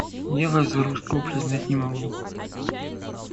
Я вас за русского признать не могу.